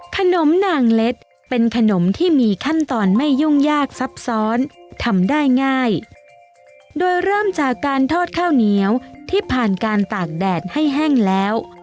ขนมนางเล็ดเป็นขนมที่มีขั้นตอนไม่ยุ่งยากซับซ้อนทำได้ง่ายโดยเริ่มจากการทอดข้าวเหนียวที่ผ่านการตากแดดให้แห้งแล้ว